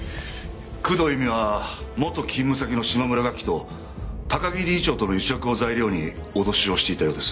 工藤由美は元勤務先の島村楽器と高木理事長との癒着を材料に脅しをしていたようです。